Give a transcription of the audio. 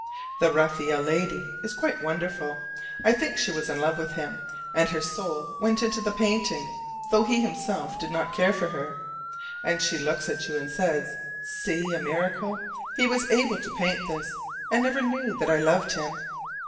The Raphael lady is quite wonderful; I think she was in love with him, and her soul went into the painting though he himself did not care for her; and she looks at you and says, "See a miracle: he was able to paint this, and never knew that I loved him!"